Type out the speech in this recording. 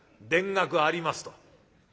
『田楽あります』と」。